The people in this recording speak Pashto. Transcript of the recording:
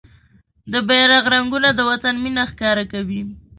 د بېرغ رنګونه د وطن مينه ښکاره کوي.